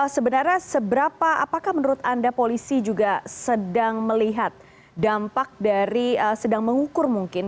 sebenarnya seberapa apakah menurut anda polisi juga sedang melihat dampak dari sedang mengukur mungkin